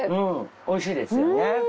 美味しいですよね。